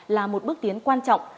là một bước tiến quan trọng